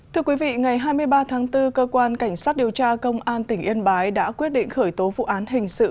thưa quý vị ngày hai mươi ba tháng bốn cơ quan cảnh sát điều tra công an tỉnh yên bái đã quyết định khởi tố vụ án hình sự